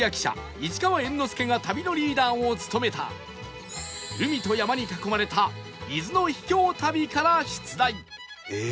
市川猿之助が旅のリーダーを務めた海と山に囲まれた伊豆の秘境旅から出題